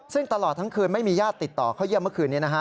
ซึ่งตลอดทั้งคืนไม่มีญาติติดต่อเข้าเยี่ยมเมื่อคืนนี้นะฮะ